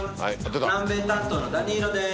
南米担当のダニーロです。